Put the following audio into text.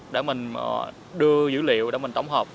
để mình đưa dữ liệu để mình tổng hợp